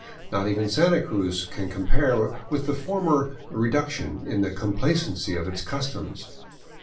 Not even Santa Cruz can compare with the former " reduction " in the complacency of its customs.